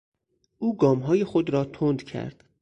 او گامهای خود را تند کرد.